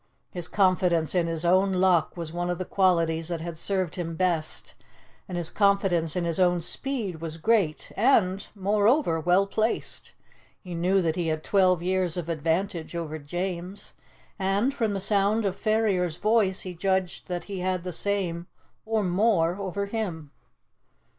His confidence in his own luck was one of the qualities that had served him best, and his confidence in his own speed was great and, moreover, well placed. He knew that he had twelve years of advantage over James, and, from the sound of Ferrier's voice, he judged that he had the same, or more, over him.